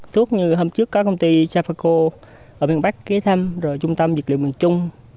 thuốc như hôm trước có công ty trafaco ở miền bắc ghé thăm rồi trung tâm dược liệu miền trung